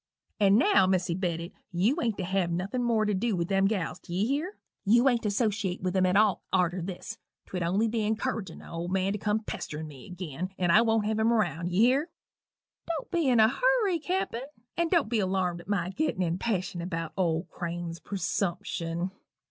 And now, Melissy Bedott, you ain't to have nothin' more to dew with them gals d'ye hear? You ain't to 'sociate with 'em at all arter this twould only be incurridgin' th' old man to come a pesterin' me agin and I won't have him round d'ye hear? Don't be in a hurry, Cappen and don't be alarmed at my gittin' in such passion about old Crane's presumption.